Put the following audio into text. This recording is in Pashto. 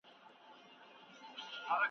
که په ښوونځي کې کتابتون وي.